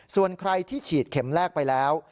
ส่วนใครที่ฉีดเข็มแรกไปแล้ว